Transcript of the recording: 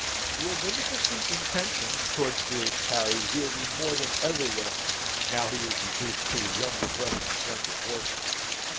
"Your beneficent intentions towards dearest Harry will be more than ever welcome, now he is reduced to a younger brother's slender portion!